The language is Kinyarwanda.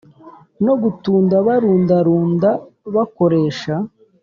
no gutunda barundarunda bakoresha